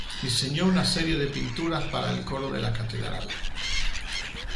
Diseñó una serie de pinturas para el coro de la catedral.